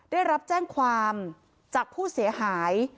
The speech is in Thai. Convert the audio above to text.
ได้รับแจ้งความจากผู้เสียหาย